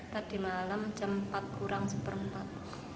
tadi malam jam empat kurang seperempat